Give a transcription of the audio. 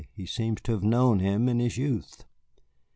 He seems to have known him in his youth."